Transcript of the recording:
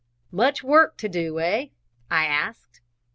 "Much work to do, eh?" I asked.